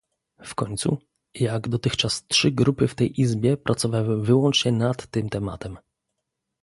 W końcu, jak dotychczas trzy grupy w tej Izbie pracowały wyłącznie nad tym tematem